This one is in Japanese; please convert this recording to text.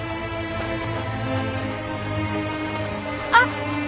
あっ！